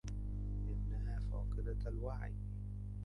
إنّها فاقدة الوعي.